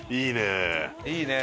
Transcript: いいね